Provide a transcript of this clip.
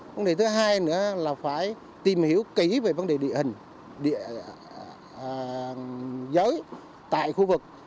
vấn đề thứ hai nữa là phải tìm hiểu kỹ về vấn đề địa hình địa giới tại khu vực